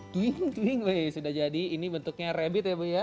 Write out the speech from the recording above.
tuing tuing tuing sudah jadi ini bentuknya rabbit ya bu ya